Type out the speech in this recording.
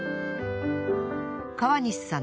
川西さん